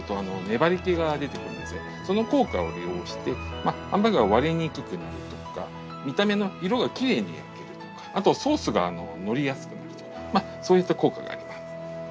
その効果を利用してハンバーグが割れにくくなるとか見た目の色がきれいに焼けるとかあとソースがのりやすくなるとかそういった効果があります。